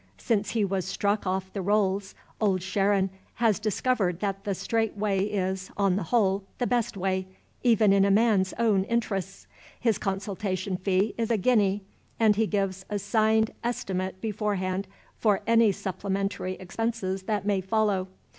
Since he was struck off the Rolls Old Sharon has discovered that the straight way is, on the whole, the best way, even in a man's own interests. His consultation fee is a guinea; and he gives a signed estimate beforehand for any supplementary expenses that may follow.